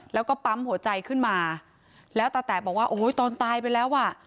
แล้วก็ปั๊มหัวใจขึ้นมาแล้วตาแตะบอกว่าโอ้โหตอนตายไปแล้วอ่ะ